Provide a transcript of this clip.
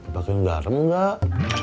bikin garam gak